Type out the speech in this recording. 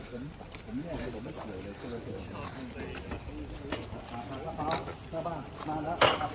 ผมไม่กล้าด้วยผมไม่กล้าด้วยผมไม่กล้าด้วย